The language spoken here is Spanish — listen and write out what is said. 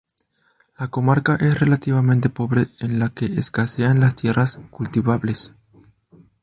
La comarca es relativamente pobre, en la que escasean las tierras cultivables.